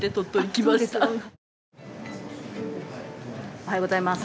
おはようございます。